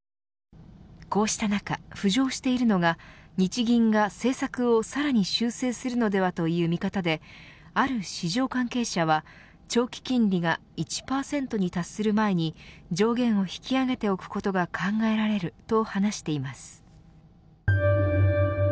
こうした中、浮上しているのが日銀が政策をさらに修正するのではという見方である市場関係者は長期金利が１％に達する前に上限を引き上げておくことが考えられると話しています。